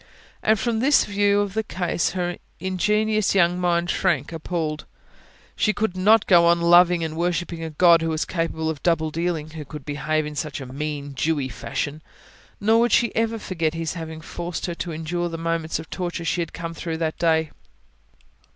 And from this view of the case her ingenuous young mind shrank appalled. She could not go on loving and worshipping a God who was capable of double dealing; who could behave in such a "mean, Jewy fashion". Nor would she ever forget His having forced her to endure the moments of torture she had come through that day.